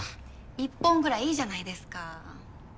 １本ぐらいいいじゃないですか。